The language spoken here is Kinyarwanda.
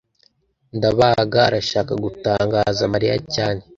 ndabaga arashaka gutangaza mariya cyane